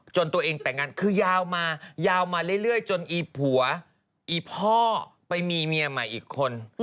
ตัวเองแต่งงานคือยาวมายาวมาเรื่อยจนอีผัวอีพ่อไปมีเมียใหม่อีกคน